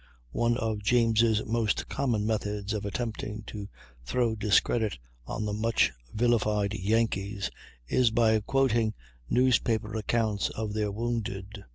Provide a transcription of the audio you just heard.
One of James' most common methods of attempting to throw discredit on the much vilified "Yankees" is by quoting newspaper accounts of their wounded.